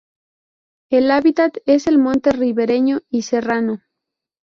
El hábitat es el monte ribereño y serrano.